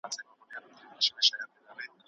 هغې احساس وکړ چې د انرژۍ کچه ټیټه ده.